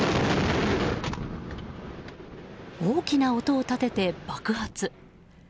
大きな音を立てて爆発。